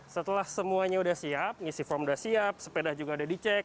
setelah semuanya sudah siap ngisi form sudah siap sepeda juga sudah dicek